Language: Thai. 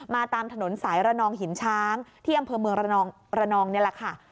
ตามถนนสายระนองหินช้างที่อำเภอเมืองระนองนี่แหละค่ะ